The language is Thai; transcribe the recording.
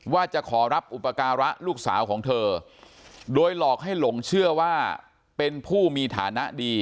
ว่าจะขอรับอุปการะลูกสาวของเธอโดยหลอกให้หลงเชื่อว่าเป็นผู้มีฐานะดี